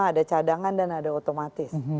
ada cadangan dan ada otomatis